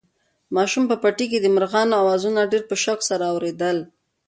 ماشوم په پټي کې د مرغانو اوازونه په ډېر شوق سره اورېدل.